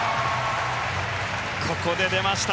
ここで出ました。